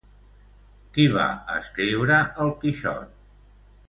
Qui va escriure "El Quixot"?